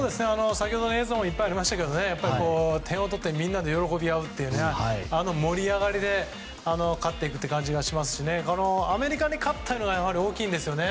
先ほど映像にもいっぱいありましたが点を取ってみんなで喜び合うというあの盛り上がりで勝っていく感じがしますしアメリカに勝ったのはやはり大きいんですよね。